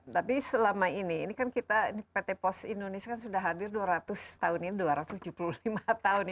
tapi selama ini ini kan kita pt pos indonesia kan sudah hadir dua ratus tahun ini dua ratus tujuh puluh lima tahun